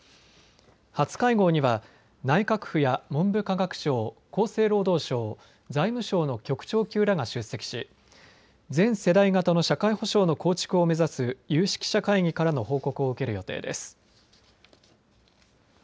初会合には内閣府や文部科学省、厚生労働省、財務省の局長級らが出席し全世代型の社会保障の構築を目指す有識者会議からの報告を受ける予定です。